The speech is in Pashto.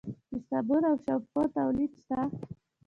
د صابون او شامپو تولید شته؟